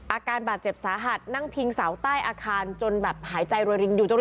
อาการบาดเจ็บสาหัสนั่งพิงเสาใต้อาคารจนแบบหายใจรวยรินอยู่ตรงนี้